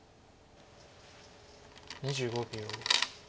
２５秒。